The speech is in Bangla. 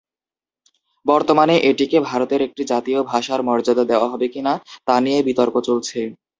বর্তমানে এটিকে ভারতের একটি জাতীয় ভাষার মর্যাদা দেওয়া হবে কি না, তা নিয়ে বিতর্ক চলছে।